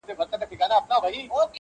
اوښکي ساتمه ستا راتلو ته تر هغې پوري~